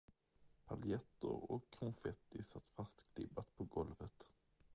Paljetter och konfetti satt fastklibbat på golvet.